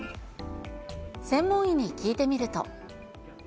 専門医に聞いてみると。